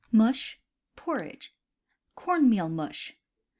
MUSH, PORRIDGE Coi'ii'Meal Mush.